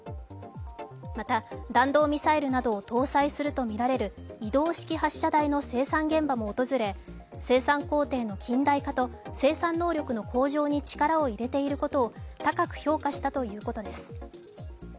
また、弾道ミサイルなどを搭載するとみられる移動式発射台の生産現場も訪れ生産工程の近代化と生産能力の向上に力を入れていることを、高く評価したということです。